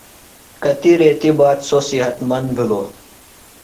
کتیۡ ریتی باد سوۡ صحت مند بِھلوۡ۔